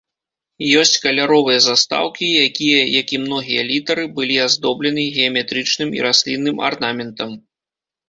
Ёсць каляровыя застаўкі, якія, як і многія літары, былі аздоблены геаметрычным і раслінным арнаментам.